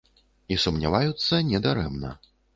І сумняваюцца не дарэмна.